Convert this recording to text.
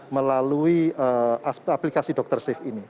melalui aplikasi dr safe ini